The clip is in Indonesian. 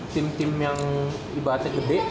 tim tim yang ibaratnya gede